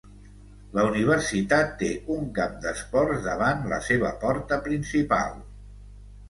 La universitat té un camp d'esports davant la seva porta principal.